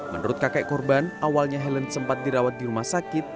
menurut kakek korban awalnya helen sempat dirawat di rumah sakit